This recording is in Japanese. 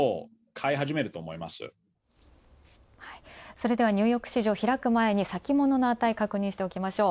それではニューヨーク市場開く前に、先物の値を確認しておきましょう。